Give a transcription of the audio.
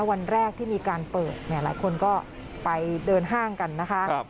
วันแรกที่มีการเปิดเนี่ยหลายคนก็ไปเดินห้างกันนะคะ